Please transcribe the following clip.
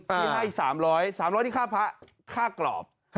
พี่ให้สามร้อยสามร้อยที่ฆ่าพระฆ่ากรอบ